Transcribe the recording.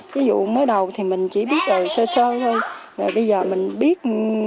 ví dụ mới đầu thì mình chỉ biết rồi sơ soi thôi bây giờ mình biết